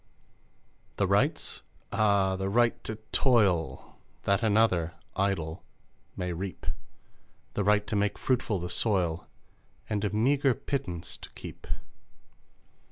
....................... The rights? Ah ! the right to toil, That another, idle, may reap ; The right to make fruitful the soil, And a meagre pittance to keep.